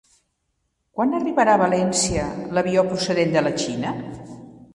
Quan arribarà a València l'avió procedent de la Xina?